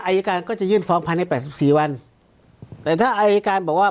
อายการก็จะยื่นฟ้องภายในแปดสิบสี่วันแต่ถ้าอายการบอกว่า